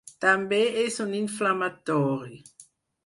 També és un inflamatori.